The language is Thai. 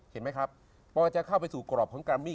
เห็นไหมครับพี่ขอยจะเข้าไปสู่กรอบของกรมิ